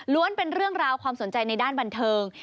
เป็นเรื่องราวความสนใจในด้านบันเทิง